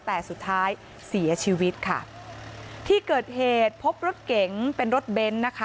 แต่สุดท้ายเสียชีวิตค่ะที่เกิดเหตุพบรถเก๋งเป็นรถเบนท์นะคะ